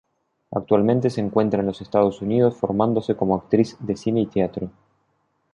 Actualmente se encuentra en los Estados Unidos formándose como actriz de cine y teatro.